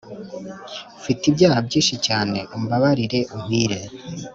Mfite ibyaha byinshi cyane umbabarire umpire